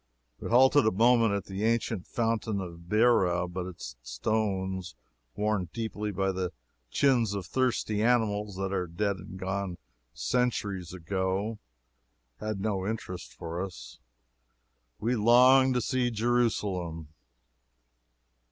We halted a moment at the ancient Fountain of Beira, but its stones, worn deeply by the chins of thirsty animals that are dead and gone centuries ago, had no interest for us we longed to see Jerusalem.